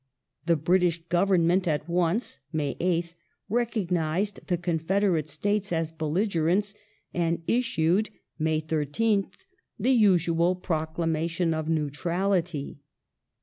The British Government at once (May 8th) recognized the Confederate States as belligerents and issued (May 13th) the usual proclamation of neutrality.